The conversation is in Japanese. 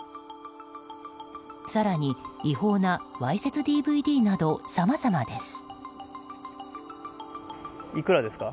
更に違法なわいせつＤＶＤなどさまざまです。